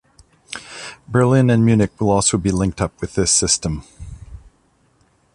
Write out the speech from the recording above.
Berlin and Munich will also be linked up with this system.